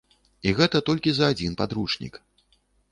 І гэта толькі за адзін падручнік.